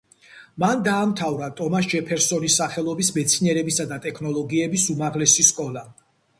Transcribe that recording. მან დაამთავრა ტომას ჯეფერსონის სახელობის მეცნიერებისა და ტექნოლოგიების უმაღლესი სკოლა.